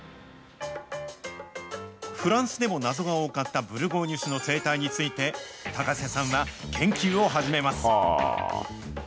フランスでも謎が多かったブルゴーニュ種の生態について、高瀬さんは研究を始めます。